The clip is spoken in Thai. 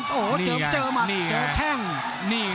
ภูตวรรณสิทธิ์บุญมีน้ำเงิน